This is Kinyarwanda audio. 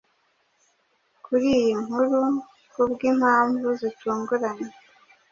kuri iyi nkuru k’ubw’impamvu zitunguranye